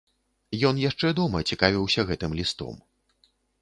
Ён яшчэ дома цікавіўся гэтым лістом.